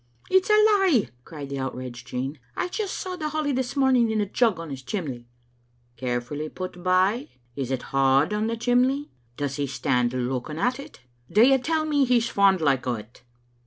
"It's a lie!" cried the outraged Jean. "I just saw the holly this morning in a jug on his chimley." " Carefully put by? Is it hod on the chimley? Does he stand looking at it? Do you tell me he's fond like o't?"